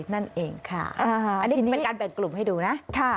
ติดเนี้ยนให้ดูนะ